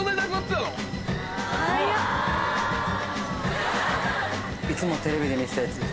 いつもテレビで見てたやつです